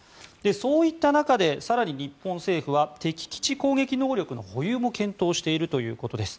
そういった中で更に日本政府は敵基地攻撃能力の保有も検討しているということです。